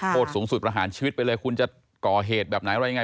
โทษสูงสุดประหารชีวิตไปเลยคุณจะก่อเหตุแบบไหนอะไรยังไง